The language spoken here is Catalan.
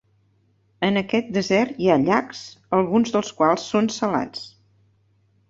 En aquest desert hi ha llacs, alguns dels quals són salats.